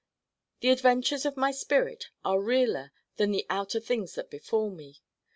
The adventures of my spirit are realer than the outer things that befall me.